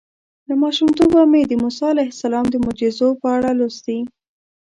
له ماشومتوبه مې د موسی علیه السلام د معجزو په اړه لوستي.